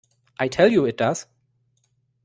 I tell you it does.